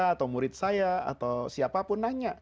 atau murid saya atau siapapun nanya